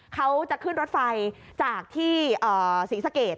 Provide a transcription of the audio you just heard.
เขาจะขึ้นรถไฟจากที่ศรีสะเกด